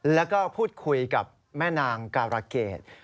แล้วก็พูดคุยกับแม่นางการะเกด